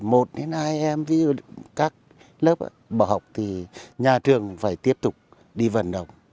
hàng tuần thường có học sinh một hai em ví dụ các lớp bỏ học thì nhà trường phải tiếp tục đi vận động